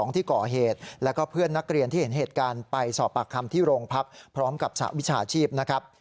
ที่ก่อเหตุแล้วก็เพื่อนนักเรียนที่เห็นเหตุการณ์ไปสอบปากคำที่โรงพักพร้อมกับสหวิชาชีพนะครับ